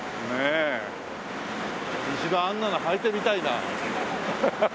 一度あんなのはいてみたいな。